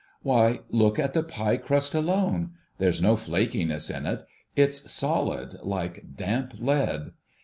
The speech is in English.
Why, look at the jiie crust alone. There's no flakiness in it. It's solid — like damp lead.